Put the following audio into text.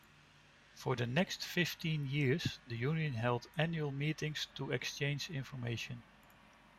For the next fifteen years the Union held annual meetings to exchange information.